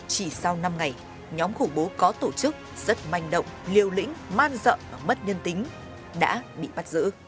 chỉ sau năm ngày nhóm khủng bố có tổ chức rất manh động liều lĩnh man dợ và mất nhân tính đã bị bắt giữ